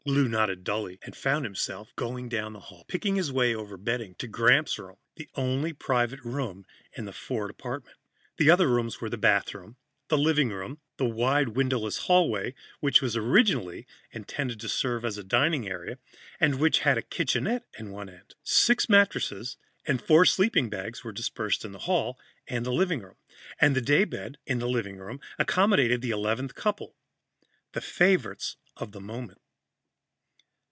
Lou nodded dully and found himself going down the hall, picking his way over bedding to Gramps' room, the only private room in the Ford apartment. The other rooms were the bathroom, the living room and the wide windowless hallway, which was originally intended to serve as a dining area, and which had a kitchenette in one end. Six mattresses and four sleeping bags were dispersed in the hallway and living room, and the daybed, in the living room, accommodated the eleventh couple, the favorites of the moment.